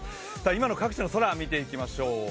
今の各地の空を見ていきましょう。